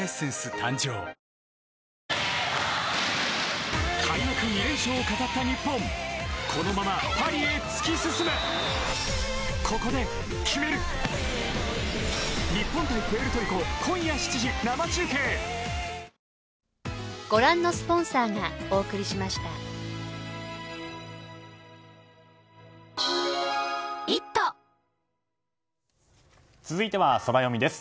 誕生続いてはソラよみです。